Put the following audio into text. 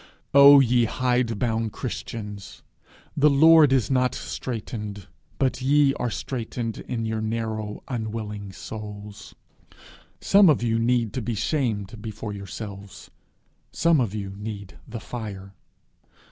Oh, ye hide bound Christians, the Lord is not straitened, but ye are straitened in your narrow unwilling souls! Some of you need to be shamed before yourselves; some of you need the fire.